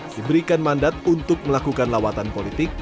diberikan mandat untuk melakukan lawatan politik